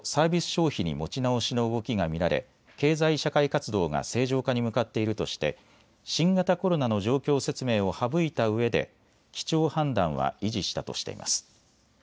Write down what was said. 消費に持ち直しの動きが見られ経済社会活動が正常化に向かっているとして新型コロナの状況説明を省いたうえで基調判断は維持したとしています。